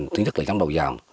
thứ nhất là giống đầu dòng